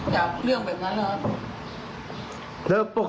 จากเรื่องแบบนั้นนะครับ